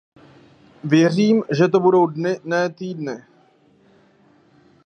Věřím, že to budou dny, ne týdny.